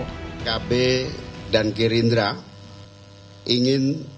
pkb dan gerindra ingin